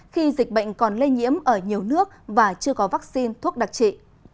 khi dịch bệnh còn lây nhiễm ở nhiều nước và chưa có vaccine thuốc đặc trị